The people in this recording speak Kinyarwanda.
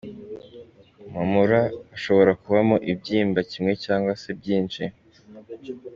Mu mura hashobora kubamo ikibyimba kimwe cyangwa se byinshi.